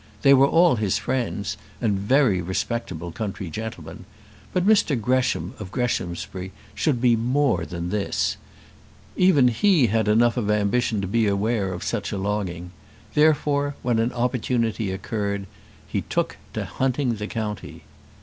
They were all his friends, and very respectable country gentlemen; but Mr Gresham of Greshamsbury should be more than this: even he had enough of ambition to be aware of such a longing. Therefore, when an opportunity occurred he took to hunting the county.